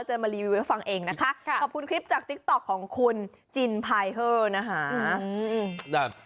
มารีวิวให้ฟังเองนะคะขอบคุณคลิปจากติ๊กต๊อกของคุณจินพายเฮอร์นะคะ